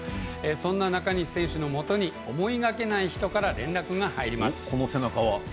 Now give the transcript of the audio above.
そんな中西選手のもとに思いがけない人から連絡が入ります。